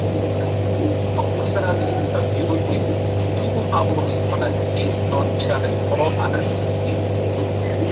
Officers interviewed him for two hours but did not charge or arrest him.